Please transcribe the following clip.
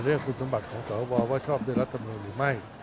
เรื่องคุณสมบัติของสวว่าชอบด้วยรัฐมนุนหรือไม่